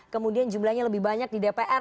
kemudian jumlahnya lebih banyak di dpr